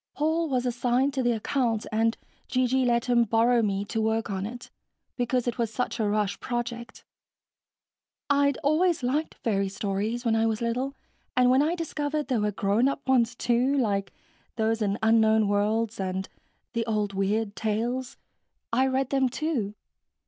Paul was assigned to the account, and G.G. let him borrow me to work on it, because it was such a rush project. I'd always liked fairy stories when I was little and when I discovered there were grown up ones, too, like those in Unknown Worlds and the old Weird Tales, I read them, too.